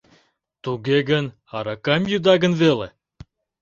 — Туге гын, аракам йӱда гын веле?